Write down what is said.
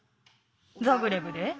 ザグレブで？